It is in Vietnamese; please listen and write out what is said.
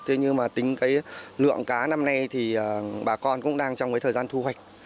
thế nhưng mà tính cái lượng cá năm nay thì bà con cũng đang trong cái thời gian thu hoạch